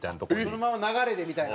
そのまま流れでみたいな。